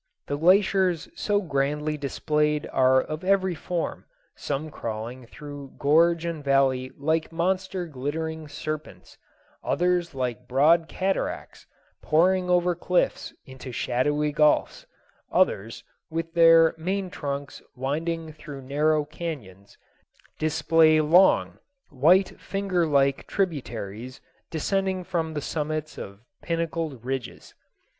The glaciers so grandly displayed are of every form, some crawling through gorge and valley like monster glittering serpents; others like broad cataracts pouring over cliffs into shadowy gulfs; others, with their main trunks winding through narrow cañons, display long, white finger like tributaries descending from the summits of pinnacled ridges.